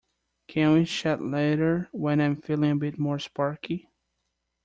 Can we chat later when I'm feeling a bit more sparky?